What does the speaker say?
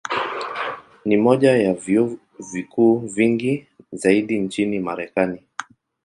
Ni moja ya vyuo vikuu vingi zaidi nchini Marekani.